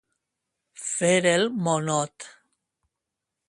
Fer el monot.